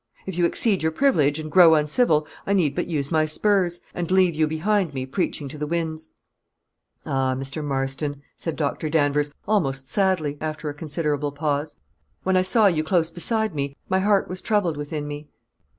"If you exceed your privilege, and grow uncivil, I need but use my spurs, and leave you behind me preaching to the winds." "Ah! Mr. Marston," said Dr. Danvers, almost sadly, after a considerable pause, "when I saw you close beside me, my heart was troubled within me."